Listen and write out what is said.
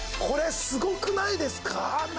これすごくないですか？